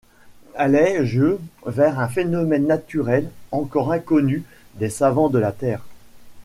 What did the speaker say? Allais-je vers un phénomène naturel encore inconnu des savants de la terre ?